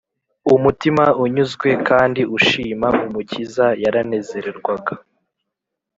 umutima unyuzwe kandi ushima, umukiza yaranezerwaga